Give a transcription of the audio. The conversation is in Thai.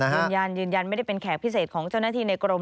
ยืนยันยืนยันไม่ได้เป็นแขกพิเศษของเจ้าหน้าที่ในกรม